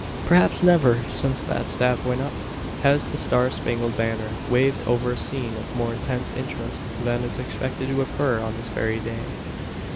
Perhaps never since that staff went up, has the star spangled banner waved over a scene of more intense interest than is expected to occur on this very day.